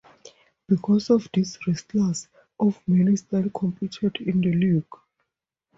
Because of this, wrestlers of many styles competed in the league.